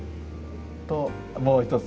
ともう一つ。